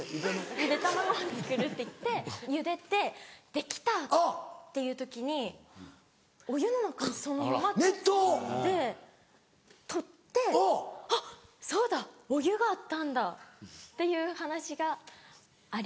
ゆで卵を作るって言ってゆでてできた！っていう時にお湯の中にそのまま手突っ込んで取って「あっそうだお湯があったんだ」っていう話がありました。